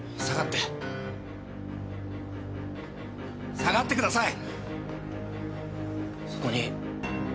下がってください。